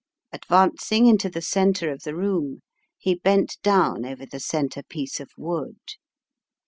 Advancing into the centre of the room, he bent down over the centre piece of wood.